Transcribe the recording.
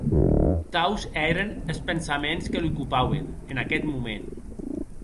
Taus èren es pensaments que l'ocupauen en aqueth moment.